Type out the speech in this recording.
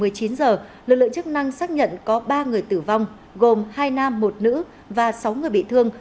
lực lượng chức năng xác nhận có ba người tử vong gồm hai nam một nữ và sáu người bị thương